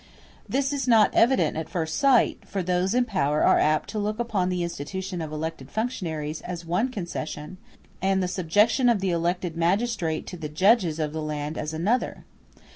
This is not evident at first sight; for those in power are apt to look upon the institution of elective functionaries as one concession, and the subjection of the elected magistrate to the judges of the land as another.